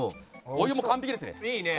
お湯も完璧ですね。